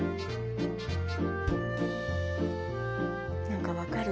何か分かる。